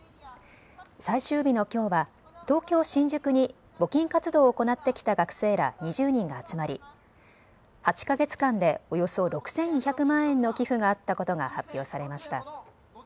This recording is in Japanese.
最終日のきょうは東京新宿に募金活動を行ってきた学生ら２０人が集まり８か月間でおよそ６２００万円の寄付があったことが発表されました。